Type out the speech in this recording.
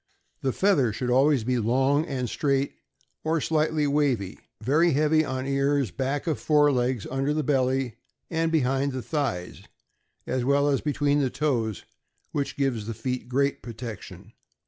The feather should always be long and straight, or slightly wavy, very heavy on ears, back of fore legs, under the belly, and behind the thighs, as well as between the toes, which gives the feet great protection.